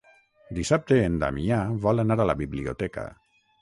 Dissabte en Damià vol anar a la biblioteca.